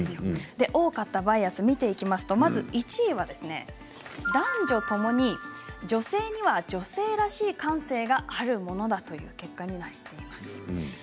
多かったバイアスを見ていきますと１位が男女ともに女性には女性らしい感性があるものだという結果になっています。